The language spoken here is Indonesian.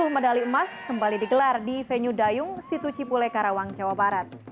sepuluh medali emas kembali digelar di venue dayung situ cipule karawang jawa barat